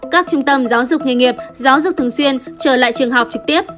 các trung tâm giáo dục nghề nghiệp giáo dục thường xuyên trở lại trường học trực tiếp